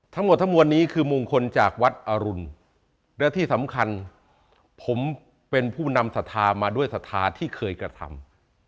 ทั้งหมดทั้งมวลนี้คือมงคลจากวัดอรุณและที่สำคัญผมเป็นผู้นำศรัทธามาด้วยศรัทธาที่เคยกระทำ